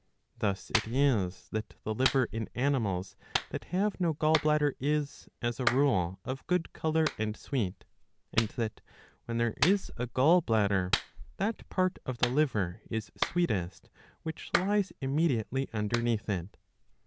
Thus it is that the liver in animals that have no gall bladder is, as a rule, of good colour and sweet ; and that, when there is a gall bladder, that part of the liver is sweetest, which lies immediately underneath it.